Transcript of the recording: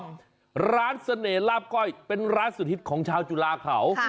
ร้านเสน่หลาบก้อยเป็นร้านสุดฮิตของชาวจุฬาเขา